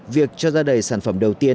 việc cho ra đầy sản phẩm đầu tiên